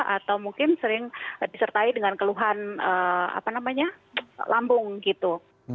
atau mungkin sering disertai dengan keluhan lambung gitu